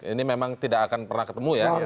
ini memang tidak akan pernah ketemu ya